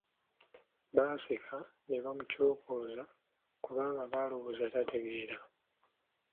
Baaseka ne bamukyokooza kubanga baalowooza tategeera.